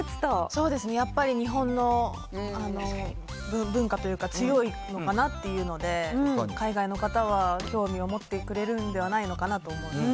そうですね、やっぱり日本の文化というか、強いのかなっていうので、海外の方は、興味を持ってくれるんではないのかなと思いました。